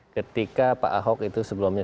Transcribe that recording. ketika pak ahok itu sebelumnya